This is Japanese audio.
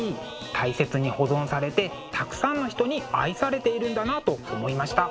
大切に保存されてたくさんの人に愛されているんだなと思いました。